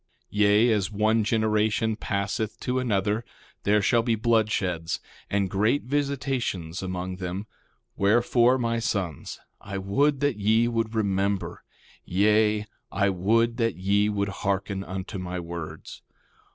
1:12 Yea, as one generation passeth to another there shall be bloodsheds, and great visitations among them; wherefore, my sons, I would that ye would remember; yea, I would that ye would hearken unto my words.